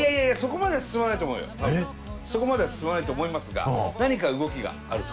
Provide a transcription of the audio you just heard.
そこまでは進まないと思いますが何か動きがあると。